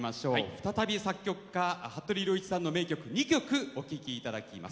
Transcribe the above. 再び作曲家・服部良一さんの名曲２曲、お聴きいただきます。